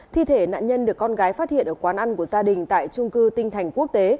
thi thể nạn nhân được con gái phát hiện ở quán ăn của gia đình tại trung cư tinh thành quốc tế